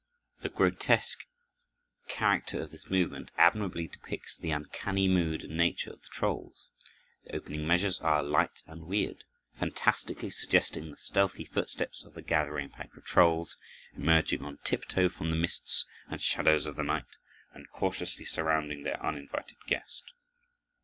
The grotesque character of this movement admirably depicts the uncanny mood and nature of the trolls. The opening measures are light and weird, fantastically suggesting the stealthy footsteps of the gathering pack of trolls, emerging on tiptoe from the mists and shadows of the night, and cautiously surrounding their uninvited guest.